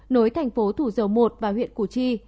nối thành phố thủ dầu một và huyện củ chi